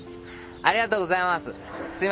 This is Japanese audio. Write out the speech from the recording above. ありがとうございます。